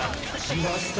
見ました！